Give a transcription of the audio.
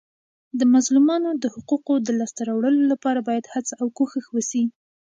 د مظلومانو د حقوقو د لاسته راوړلو لپاره باید هڅه او کوښښ وسي.